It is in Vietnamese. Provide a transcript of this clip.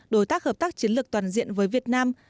đối tác hợp tác chiến lược toàn diện với việt nam